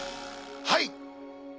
はい！